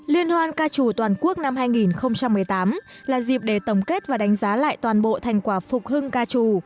liên hoan ca trù toàn quốc năm hai nghìn một mươi tám là dịp để tổng kết và đánh giá lại toàn bộ thành quả phục hưng ca trù